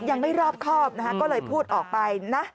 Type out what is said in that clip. ยังไม่รอบครอบนะฮะก็เลยพูดออกไปนะ